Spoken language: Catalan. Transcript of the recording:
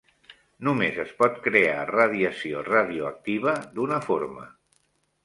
Només es pot crear radiació radioactiva d'una forma.